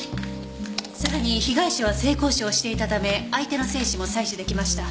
さらに被害者は性交渉していたため相手の精子も採取出来ました。